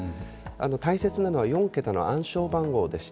大切なのは４桁の暗証番号です。